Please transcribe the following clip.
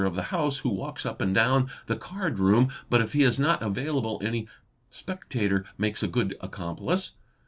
of the house who walks up and down the card room but if he is not avilable any spectator makes a good accomplice.